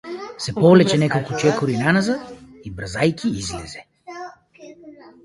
Се повлече неколку чекори наназад и брзајќи излезе.